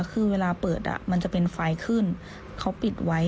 คือเวลาเปิดมันจะเป็นไฟขึ้นเขาปิดไว้